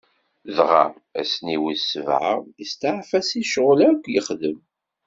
Dɣa, ass-nni wis sebɛa, isteɛfa si ccɣwel akk yexdem.